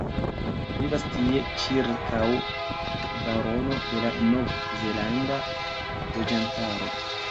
Vivas tie ĉirkaŭ kvarono de la nov-zelanda loĝantaro.